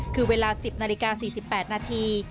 คือเวลา๑๐นาฬิกา๔๘นาที